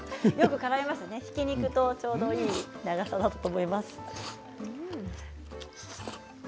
ちょうどいい長さだったと思います。